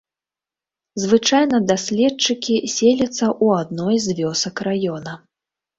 Звычайна даследчыкі селяцца ў адной з вёсак раёна.